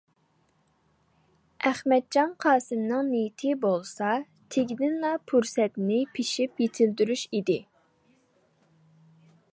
ئەخمەتجان قاسىمنىڭ نىيىتى بولسا تېگىدىنلا پۇرسەتنى پىشىپ يېتىلدۈرۈش ئىدى.